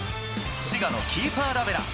滋賀のキーファー・ラベナ。